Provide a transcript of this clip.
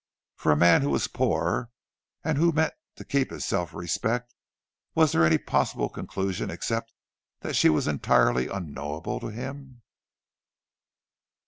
For a man who was poor, and who meant to keep his self respect, was there any possible conclusion except that she was entirely unknowable to him?